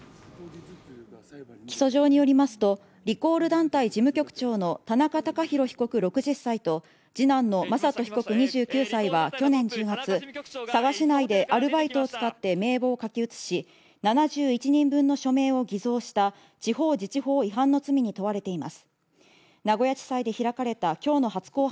起訴状によりますと、リコール団体事務局長の田中孝博被告６０歳と次男の雅人被告２９歳派去年１０月佐賀市内でアルバイトを使って名簿を書き写し、７１人分の署名を偽造した地方自治法違反の罪に問われています。